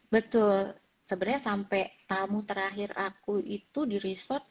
betul sebenarnya sampai tamu terakhir aku itu di resort